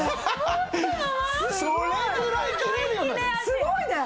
すごいね！